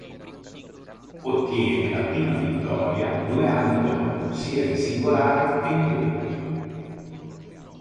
Ottiene la prima vittoria due anni dopo sia in singolare che in doppio.